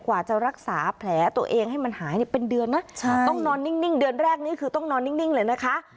กว่าจะรักษาแผลตัวเองให้มันหายเป็นเดือนนะต้องนอนนิ่งเดือนแรกนี่คือต้องนอนนิ่งเลยนะคะ